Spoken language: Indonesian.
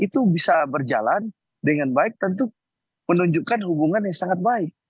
itu bisa berjalan dengan baik tentu menunjukkan hubungan yang sangat baik